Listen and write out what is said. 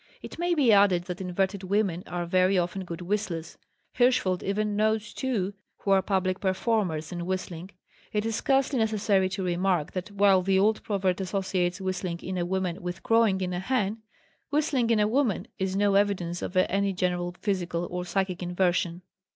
It may be added that inverted women are very often good whistlers; Hirschfeld even knows two who are public performers in whistling. It is scarcely necessary to remark that while the old proverb associates whistling in a woman with crowing in a hen, whistling in a woman is no evidence of any general physical or psychic inversion.